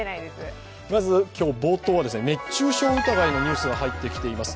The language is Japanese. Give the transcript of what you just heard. まず、今日冒頭は熱中症疑いのニュースが入ってきています。